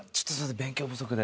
勉強不足で。